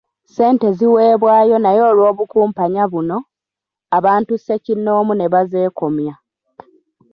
Ssente ziweebwayo naye olw’obukumpanya buno, abantu ssekinnoomu ne bazeekomya.